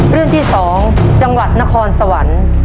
เรื่องที่๒จังหวัดนครสวรรค์